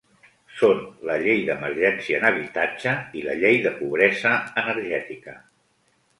Són la llei d’emergència en habitatge i la llei de pobresa energètica.